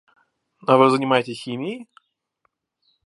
А вы занимаетесь химией?